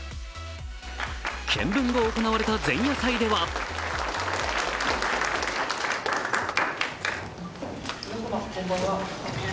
見分が行われた前夜祭では皆様こんばんは。